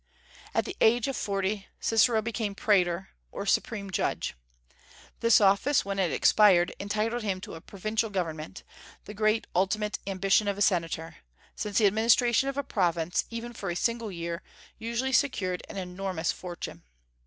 At the age of forty Cicero became Praetor, or Supreme Judge. This office, when it expired, entitled him to a provincial government, the great ultimate ambition of a senator; since the administration of a province, even for a single year, usually secured an enormous fortune.